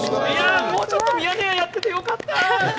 もう、ミヤネ屋やっててよかった。